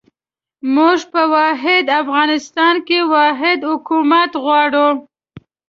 موږ په واحد افغانستان کې واحد حکومت غواړو.